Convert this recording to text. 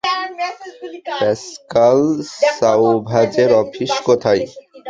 Pascal সাওভ্যাজের office কোথায়?